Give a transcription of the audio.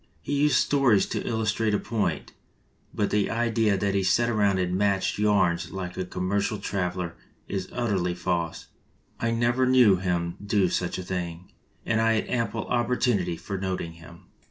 He used stories to illustrate a point, but the idea that he sat around and matched yarns like a commer cial traveler is utterly false. I never knew him to do such a thing, and I had ample opportunity for noting him."